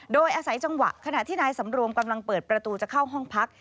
โดยอาศัยจังหวะขณะที่นายสำรวมกำลังเปิดประตูจะเข้าห้องพัก